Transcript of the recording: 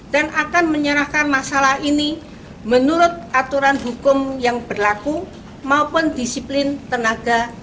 dan akan menyerahkan masalah ini menurut aturan hukum yang berlaku maupun disiplin tenaga kesehatan